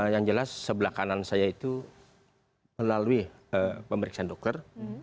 yang jelas sebelah kanan saya itu melalui pemeriksaan dokter